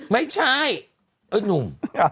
ไม่ใช่ไอ้หนุ่ม